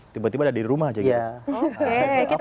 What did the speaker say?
tiba tiba ada di rumah aja gitu